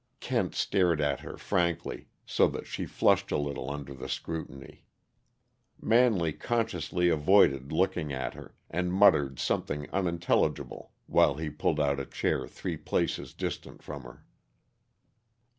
Kent stared at her frankly, so that she flushed a little under the scrutiny. Manley consciously avoided looking at her, and muttered something unintelligible while he pulled out a chair three places distant from her.